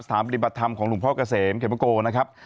ปฏิบัติธรรมของหลวงพ่อเกษมเขมโกนะครับ